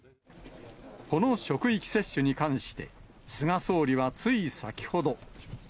この職域接種に関して、菅総理はつい先ほど。